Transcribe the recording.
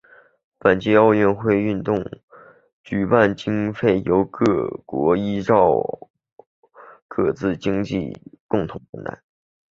本届亚运会的举办经费仍由各会员国依照各自的经济能力共同分担。